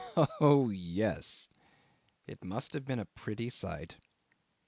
Oh yes! It must have been a pretty sight.